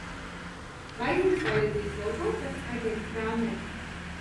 Vai jums vajadzīgs vēl kaut kas, aģent Krāmer?